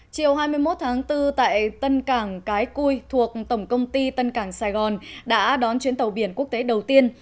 chiều hai mươi một tháng bốn tại tân cảng cái cui thuộc tổng công ty tân cảng sài gòn đã đón chuyến tàu biển quốc tế đầu tiên